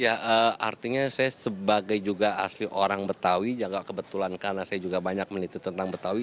ya artinya saya sebagai juga asli orang betawi juga kebetulan karena saya juga banyak menitip tentang betawi